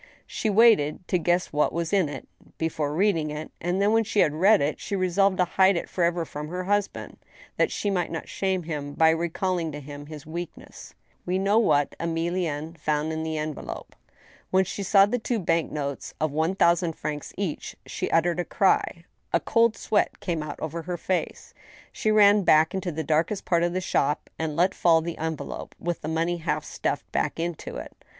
She wanted to guess what was in it before reading it, and then when she had read it she resolved to hide it forever from her hus band, that she might not shame him by recalling to him his weak ness. We know what Emilienne found in the envelope. 6 82 THE STEEL HAMMER. When she saw the two bank notes of one thousand francs each, she uttered a cry. A cold sweat came out over her face. She ran back into the darkest part of the shop, and let fall the envelope with the money half stuffed back into it.